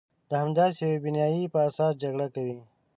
د همداسې یوې بیانیې په اساس جګړه کوي.